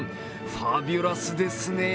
ファビュラスですね。